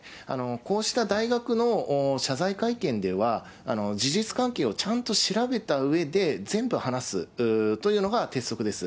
こうした大学の謝罪会見では、事実関係をちゃんと調べたうえで、全部話すというのが鉄則です。